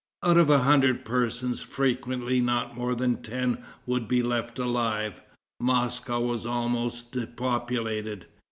Out of a hundred persons, frequently not more than ten would be left alive. Moscow was almost depopulated.